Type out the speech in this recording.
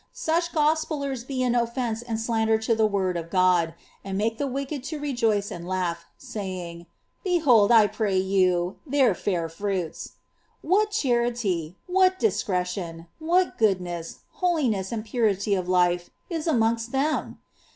Such gospellers be an ofTonce and slander to the wonl of God, and make the wickeil to rejoice and laugh, i^aying —* Behold, I pray you, their fliir fruits.' What charity, what dis cretion, what jroodness, holiness, and purity of life, is amongst them